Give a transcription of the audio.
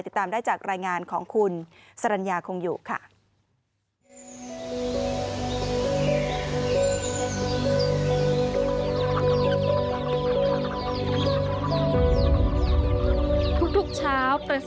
ติดตามได้จากรายงานของคุณสรรญาคงอยู่ค่ะ